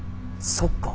そっか。